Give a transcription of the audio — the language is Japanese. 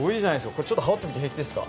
これちょっと羽織ってみて平気ですか？